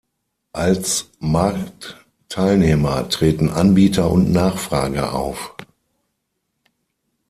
Als Marktteilnehmer treten Anbieter und Nachfrager auf.